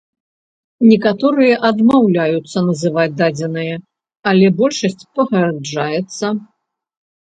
Некаторыя адмаўляюцца называць дадзеныя, але большасць пагаджаецца.